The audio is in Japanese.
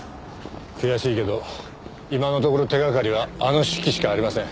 悔しいけど今のところ手がかりはあの手記しかありません。